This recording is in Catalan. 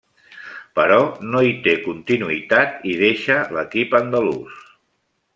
Però, no hi té continuïtat i deixa l'equip andalús.